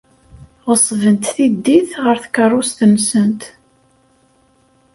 Ɣeṣbent tiddit ɣer tkeṛṛust-nsent.